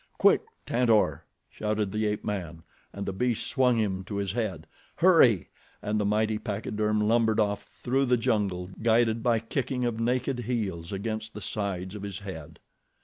"Quick, Tantor!" shouted the ape man, and the beast swung him to his head. "Hurry!" and the mighty pachyderm lumbered off through the jungle, guided by kicking of naked heels against the sides of his head.